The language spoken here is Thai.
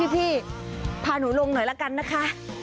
พี่พาหนูลงหน่อยละกันนะคะ